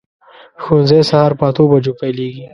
ښوونځی سهار په اتو بجو پیلېږي.